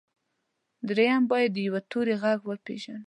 درېيم بايد د يوه توري غږ وپېژنو.